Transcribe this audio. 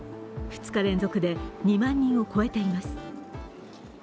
２日連続で２万人を超えています。